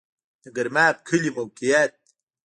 د ګرماب کلی موقعیت